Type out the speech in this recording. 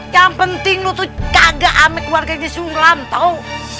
yang penting lo tuh kagak amik keluarganya sulam tau